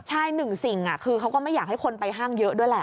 ใช่หนึ่งสิ่งคือเขาก็ไม่อยากให้คนไปห้างเยอะด้วยแหละ